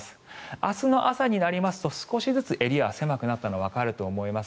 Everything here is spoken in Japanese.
明日の朝になりますと少しずつエリアが狭くなったのわかると思います。